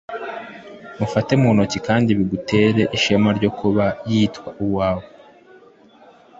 mufate mu ntoki kandi bigutere ishema ryo kuba yitwa uwawe